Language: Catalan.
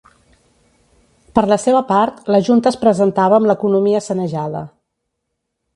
Per la seva part, la junta es presentava amb l'economia sanejada.